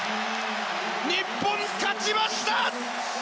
日本、勝ちました！